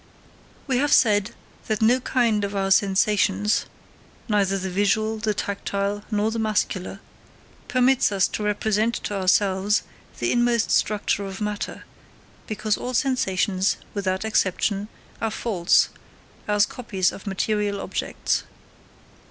We have said that no kind of our sensations neither the visual, the tactile, nor the muscular permits us to represent to ourselves the inmost structure of matter, because all sensations, without exception, are false, as copies of material objects.